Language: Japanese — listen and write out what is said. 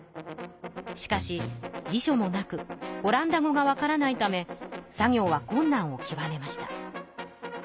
しかし辞書もなくオランダ語がわからないため作業はこんなんをきわめました。